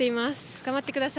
頑張ってください。